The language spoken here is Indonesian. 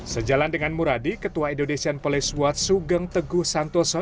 sejalan dengan muradi ketua indonesian police watch sugeng teguh santoso